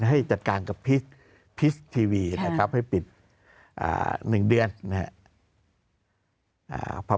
ให้จัดการกับพีชทีวีนะครับให้ปิด๑เดือนนะครับ